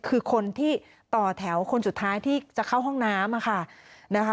คือคนที่ต่อแถวคนสุดท้ายที่จะเข้าห้องน้ำค่ะนะคะ